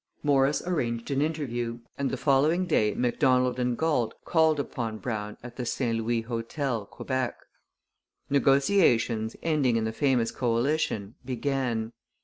Morris arranged an interview, and the following day Macdonald and Galt called upon Brown at the St Louis Hotel, Quebec. Negotiations, ending in the famous coalition, began.